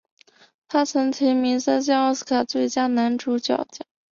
他曾提名过三项奥斯卡最佳男主角奖。